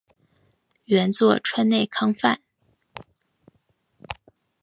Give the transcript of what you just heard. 原作川内康范。